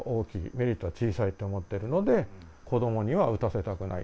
メリットは小さいと思ってるので、子どもには打たせたくない。